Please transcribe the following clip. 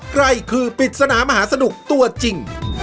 ใครคือปริศนามหาสนุกตัวจริง